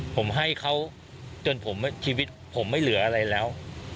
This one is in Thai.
ผมให้เขาจนชีวิตผมไม่เหลืออะไรแล้ว